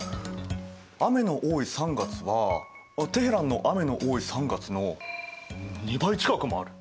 雨の多い３月はテヘランの雨の多い３月の２倍近くもある。